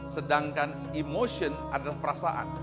sedangkan emotion adalah perasaan